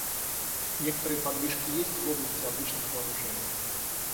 Некоторые подвижки есть и в области обычных вооружений.